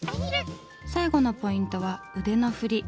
最後のポイントは「腕の振り」。